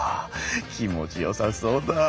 気持ちよさそうだ。